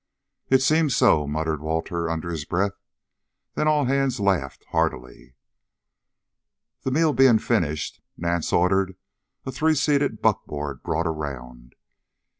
"It seems so," muttered Walter under his breath; then all hands laughed heartily. The meal being finished, Nance ordered a three seated buckboard brought around.